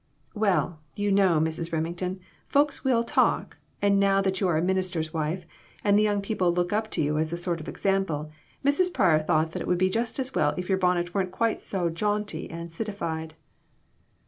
"Well, you know, Mrs. Remington, folks will talk ; and now that you are a minister's wife, and the young people look up to you as a sort of example, Mrs. Pryor thought it would be just as well if your bonnet wasn't quite so jaunty and citified."